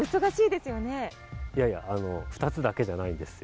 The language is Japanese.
いやいや２つだけじゃないんですよ。